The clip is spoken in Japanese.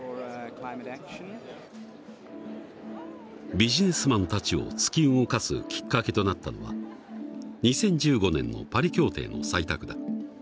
ビジネスマンたちを突き動かすきっかけとなったのは２０１５年のパリ協定の採択だ。